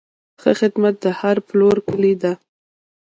ښه خدمت د هر پلور کلي ده.